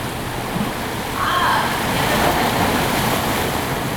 Ah, the other woman!